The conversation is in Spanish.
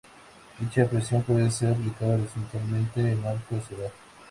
Dicha presión puede ser aplicada horizontalmente o en arco hacia abajo.